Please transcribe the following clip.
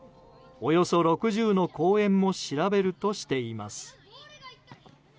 およそ６０の公園も調べるとしています。